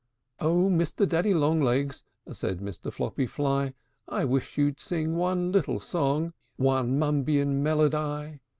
'" IV. "Oh, Mr. Daddy Long legs!" Said Mr. Floppy Fly, "I wish you 'd sing one little song, One mumbian melody.